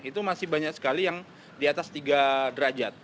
itu masih banyak sekali yang di atas tiga derajat